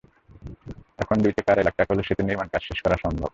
এখন দুই থেকে আড়াই লাখ টাকা হলে সেতুর নির্মাণকাজ শেষ করা সম্ভব।